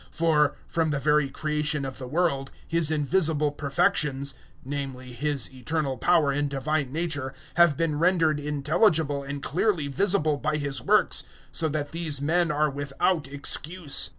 001:020 For, from the very creation of the world, His invisible perfections namely His eternal power and divine nature have been rendered intelligible and clearly visible by His works, so that these men are without excuse.